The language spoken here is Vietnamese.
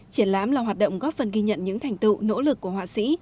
triển lãm là hoạt động góp phần ghi nhận những thành tựu nỗ lực của họa sĩ